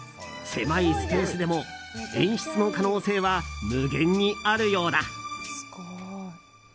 狭いスペースでも演出の可能性は無限にあるようだ。